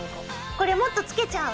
これもっとつけちゃう？